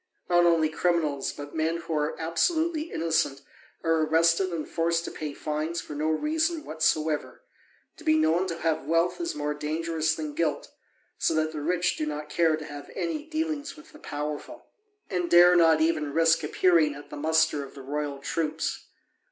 Not only criminals, but men who are absolutely innocent are arrested and forced to pay fines for no reason whatsoever: to be known to have wealth is more dangerous than guilt, so that the rich do not care to have any dealings with the powerful, and dare not even risk appearing at the muster of the royal troops.